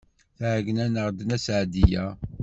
Tɛeyyen-aneɣ-d Nna Seɛdiya.